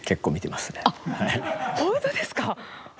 あっ、本当ですか？